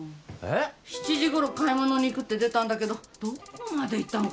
７時ごろ買い物に行くって出たんだけどどこまで行ったのかしらね？